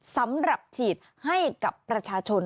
สำหรับฉีดให้กับประชาชน